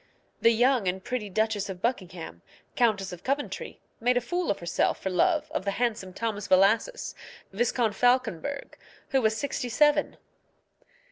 The young and pretty Duchess of Buckingham, Countess of Coventry, made a fool of herself for love of the handsome Thomas Bellasys, Viscount Falconberg, who was sixty seven.